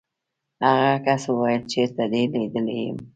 هغه کس وویل چېرته دې لیدلی یم.